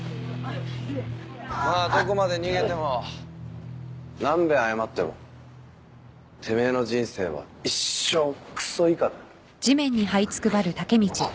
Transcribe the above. まあどこまで逃げても何遍謝ってもてめえの人生は一生クソ以下だ。